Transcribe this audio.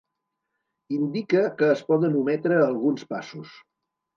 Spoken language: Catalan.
Indica que es poden ometre alguns passos.